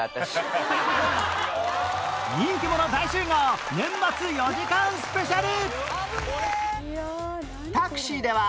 人気者大集合年末４時間スペシャル！